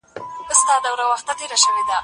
زه به اوبه ورکړي وي.